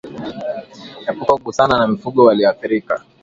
Epuka kugusana na mifugo walioathirika